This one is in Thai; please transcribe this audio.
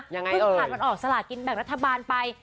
พึ่งผ่านออกศาลากินแบบรัฐบาลไป